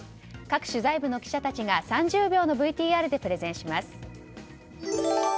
各取材部の記者たちが３０秒のＶＴＲでプレゼンします。